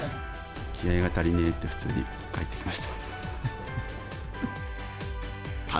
気合いが足りねーって普通に返ってきました。